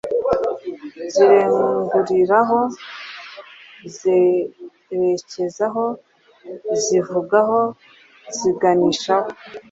Zirenguriraho: Zerekezaho, zivugaho, ziganishaho